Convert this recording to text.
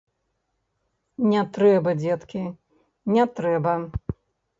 Не трэба, дзеткі, не трэба!